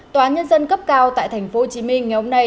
tòa nhân dân cấp cao tại tp hcm ngày hôm nay